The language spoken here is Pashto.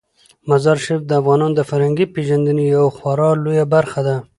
مزارشریف د افغانانو د فرهنګي پیژندنې یوه خورا لویه برخه ده.